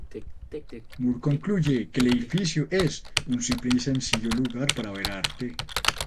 Moore concluye que el edificio es "un simple y sencillo lugar para ver arte".